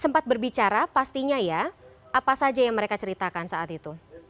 sempat berbicara pastinya ya apa saja yang mereka ceritakan saat itu